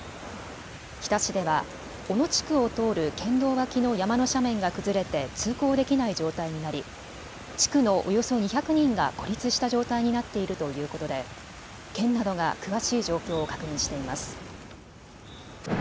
日田市では小野地区を通る県道脇の山の斜面が崩れて通行できない状態になり地区のおよそ２００人が孤立した状態になってるということで県などが詳しい状況を確認しています。